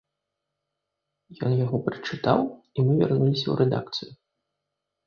Ён яго прачытаў, і мы вярнуліся ў рэдакцыю.